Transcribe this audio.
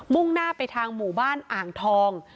่งหน้าไปทางหมู่บ้านอ่างทอง